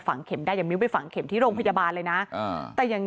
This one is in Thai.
เข็มได้อย่างมิ้วไปฝังเข็มที่โรงพยาบาลเลยนะแต่อย่าง